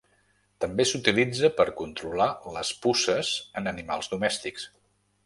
També s'utilitza per controlar les puces en animals domèstics.